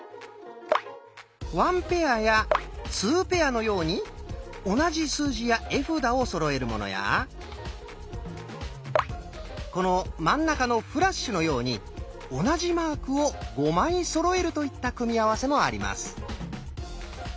「ワンペア」や「ツーペア」のように同じ数字や絵札をそろえるものやこの真ん中の「フラッシュ」のように同じマークを５枚そろえるといった組み合わせもあります。